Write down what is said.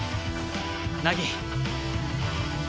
凪！